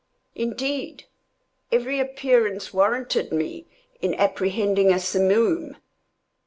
Indeed, every appearance warranted me in apprehending a Simoom.